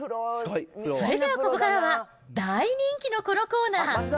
それではここからは、大人気のこのコーナー。